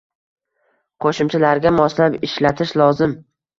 Qo’shimchalarga moslab ishlatish lozim.